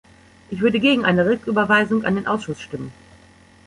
Ich würde gegen eine Rücküberweisung an den Ausschuss stimmen.